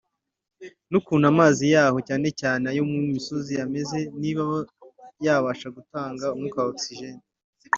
n’ukuntu amazi yaho cyane cyane ayo mu misozi ameze niba yabasha gutanga umwuka wa Oxygen